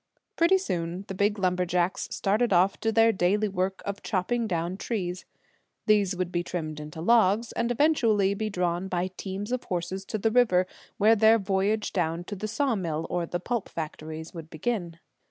Pretty soon the big lumberjacks started off to their daily work of chopping down trees. These would be trimmed into logs, and eventually be drawn by teams of horses to the river, where their voyage down to the sawmills or the pulp factories would begin.